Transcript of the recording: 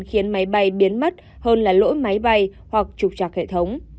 khiến máy bay biến mất hơn là lỗi máy bay hoặc trục trạc hệ thống